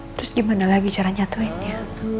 terus gimana lagi cara nyatuinnya